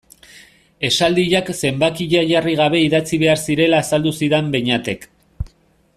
Esaldiak zenbakia jarri gabe idatzi behar zirela azaldu zidan Beñatek.